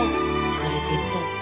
これ手伝って。